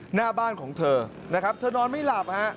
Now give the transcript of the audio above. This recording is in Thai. หน้าบ้านของเธอนะครับเธอนอนไม่หลับฮะ